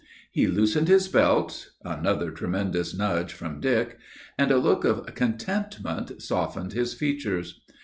He loosened his belt, another tremendous nudge from Dick, and a look of contentment softened his features.